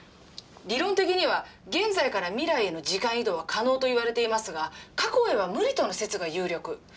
理論的には現在から未来への時間移動は可能といわれていますが過去へは無理との説が有力。